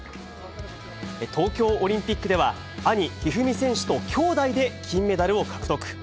東京オリンピックでは、兄、一二三選手ときょうだいで金メダルを獲得。